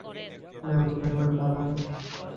না, তুমি আমার বাবা না।